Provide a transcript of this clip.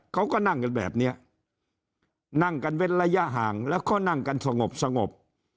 เขาก็นั่งกันแบบนี้นั่งกันเว้นระยะห่างแล้วก็นั่งกันสงบสงบ